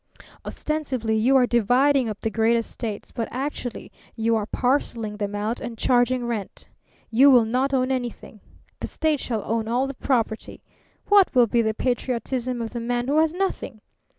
Ostensibly you are dividing up the great estates, but actually you are parcelling them out and charging rent. You will not own anything. The state shall own all the property. What will be the patriotism of the man who has nothing?